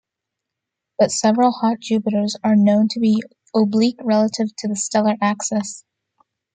But several "hot Jupiters" are known to be oblique relative to the stellar axis.